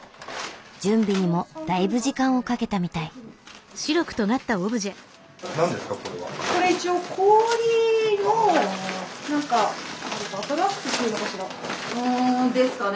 準備にもだいぶ時間をかけたみたい。ですかね。